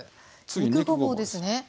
肉ごぼうですね。